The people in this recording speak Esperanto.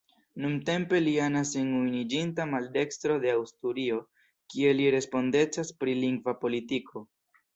Nuntempe li anas en Unuiĝinta Maldekstro de Asturio kie li respondecas pri lingva politiko.